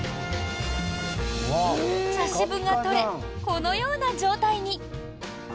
茶渋が取れ、このような状態に。